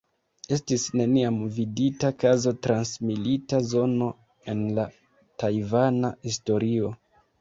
Estis neniam vidita kazo trans milita zono en la tajvana historio.